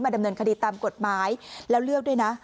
ดำเนินคดีตามกฎหมายแล้วเลือกด้วยนะ